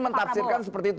saya mentafsirkan seperti itu